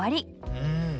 うん。